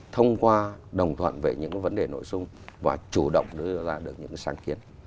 thông qua đồng thuận về những vấn đề nội dung và chủ động đưa ra được những sáng kiến